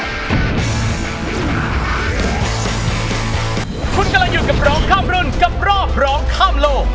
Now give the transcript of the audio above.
คุณกำลังอยู่กับร้องข้ามรุ่นกับรอบร้องข้ามโลก